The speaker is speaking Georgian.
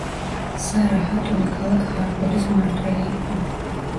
სარა ჰატუნი ქალაქ ჰარპუდის მმართველი იყო.